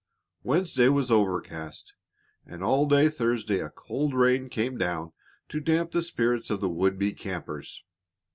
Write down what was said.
Wednesday was overcast, and all day Thursday a cold rain came down to damp the spirits of the would be campers.